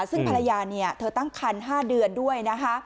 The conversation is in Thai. ซึ่งภรรยาเธอตั้งคัน๕เดือนด้วยนะคะ